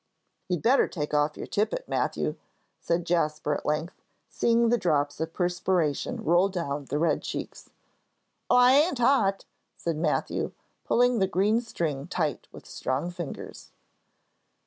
"You'd better take off your tippet, Matthew," said Jasper at length, seeing the drops of perspiration roll down the red cheeks. "Oh, I ain't hot," said Matthew, pulling the green string tight with strong fingers.